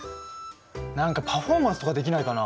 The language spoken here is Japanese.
何かパフォーマンスとかできないかな。